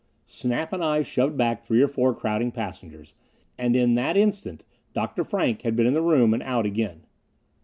Snap and I shoved back three or four crowding passengers, and in that instant Dr. Frank had been in the room and out again.